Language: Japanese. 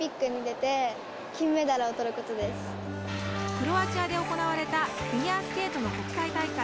クロアチアで行われたフィギュアスケートの国際大会。